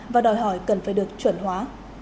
và đòi hỏi cần phải được chuẩn hóa